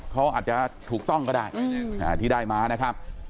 เขาอาจจะถูกต้องก็ได้ที่ได้มานะครับ